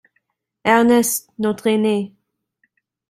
Ernest, notre aîné.